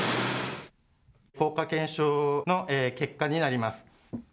効果検証の結果になります。